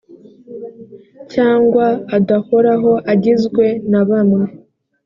cyangwa adahoraho agizwe na bamwe